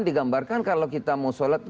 digambarkan kalau kita mau sholat